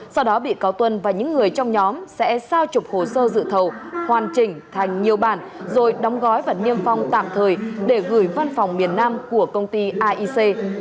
sau đó bị cáo tuân và những người trong nhóm sẽ sao trục hồ sơ dự thầu hoàn chỉnh thành nhiều bản rồi đóng gói và niêm phong tạm thời để gửi văn phòng miền nam của công ty aic